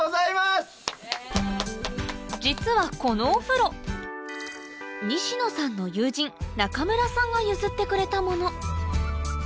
実はこのお風呂西野さんの友人中村さんが譲ってくれたもの